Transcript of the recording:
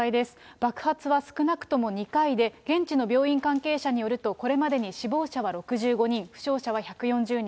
爆発は少なくとも２回で、現地の病院関係者によると、これまでに死亡者は６５人、負傷者は１４０人。